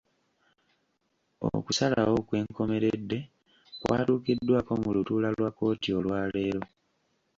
Okusalawo okwenkomeredde kwatuukiddwako mu lutuula lwa kkooti olwa leero.